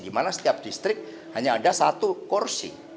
dimana setiap distrik hanya ada satu kursi